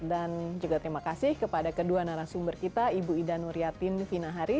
dan juga terima kasih kepada kedua narasumber kita ibu ida nur yatin vina hari